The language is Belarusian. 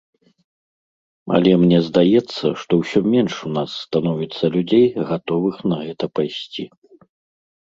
Але мне здаецца, што ўсё менш у нас становіцца людзей, гатовых на гэта пайсці.